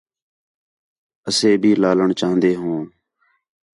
اَسے بھی لالݨ چاہن٘دے ہوں